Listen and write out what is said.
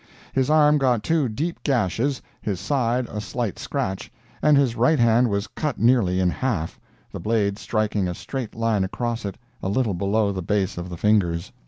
His arm got two deep gashes, his side a slight scratch, and his right hand was cut nearly in half, the blade striking a straight line across it a little below the base of the fingers.